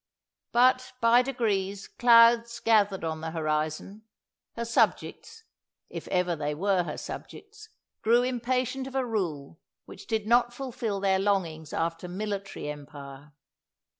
But by degrees clouds gathered on the horizon: her subjects, if ever they were her subjects, grew impatient of a rule which did not fulfil their longings after military empire.